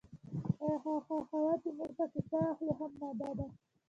ایا هغه هوا چې موږ پکې ساه اخلو هم ماده ده